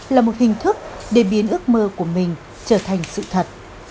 là một hình thức để biến ước mơ của mình trở thành sự thật